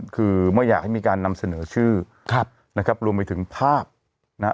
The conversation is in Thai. คือไม่อยากให้มีการนำเสนอชื่อครับนะครับรวมไปถึงภาพนะฮะ